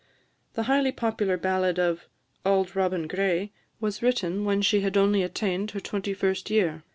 The highly popular ballad of "Auld Robin Gray" was written when she had only attained her twenty first year.